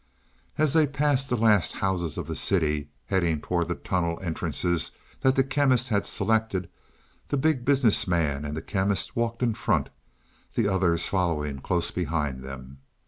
As they passed the last houses of the city, heading towards the tunnel entrances that the Chemist had selected, the Big Business Man and the Chemist walked in front, the others following close behind them.